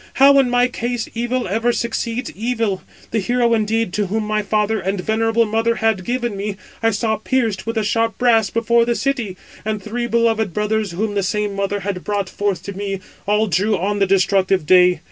How in my case evil ever succeeds evil. The hero indeed to whom my father and venerable mother had given me, 636 I saw pierced with the sharp brass before the city; and three beloved brothers whom the same mother had brought forth to me, all drew on the destructive day.